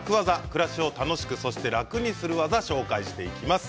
暮らしを楽しくそして楽にする技紹介していきます。